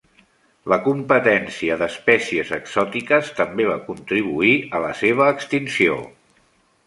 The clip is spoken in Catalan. La competència d'espècies exòtiques també va contribuir a la seva extinció.